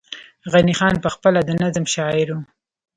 غني خان پخپله د نظم شاعر وو